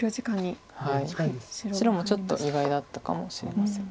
白もちょっと意外だったかもしれません。